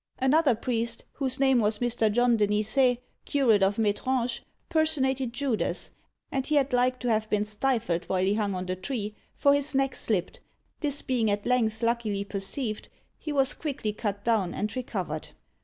Another priest, whose name was Mr. John de Nicey, curate of Metrange, personated Judas, and he had like to have been stifled while he hung on the tree, for his neck slipped; this being at length luckily perceived, he was quickly cut down and recovered.